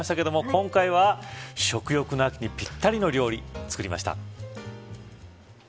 今回は食欲の秋にぴったりの料理、作りました。